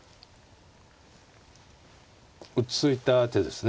落ち着いた手ですね